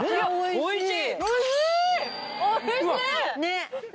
おいしい！